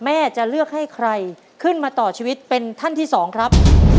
แม่จะเลือกให้ใครขึ้นมาต่อชีวิตเป็นท่านที่สองครับ